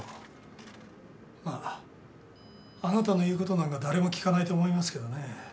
まああなたの言うことなんか誰も聞かないと思いますけどね。